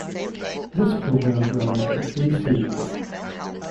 This programme ran for three series.